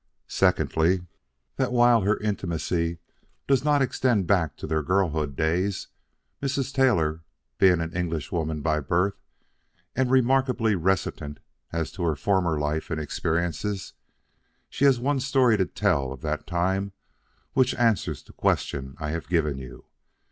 Secondly, that while her intimacy does not extend back to their girlhood days Mrs. Taylor being an Englishwoman by birth and remarkably reticent as to her former life and experiences she has one story to tell of that time which answers the question I have given you.